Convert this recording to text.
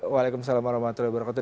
waalaikumsalam warahmatullahi wabarakatuh